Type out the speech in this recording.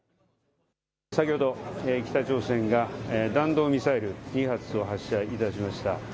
先ほど北朝鮮が弾道ミサイル２発を発射いたしました。